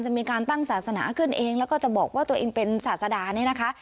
มีการตั้งศาสนาขึ้นเองแล้วก็จะบอกว่าตัวเองเป็นศาสดาเนี่ยนะคะ